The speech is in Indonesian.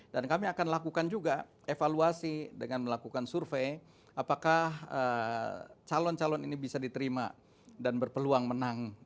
dan kami akan lakukan juga evaluasi dengan melakukan survei apakah calon calon ini bisa diterima dan berpeluang menang